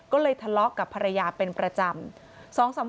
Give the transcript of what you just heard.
ก็เลยทะเลาะกับภรรยาเป็นประจำ